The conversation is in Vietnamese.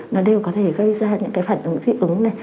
nó đều có thể gây ra những cái phản ứng dị ứng này